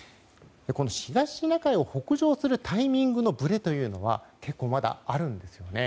東シナ海を北上するタイミングのブレというのは結構まだあるんですよね。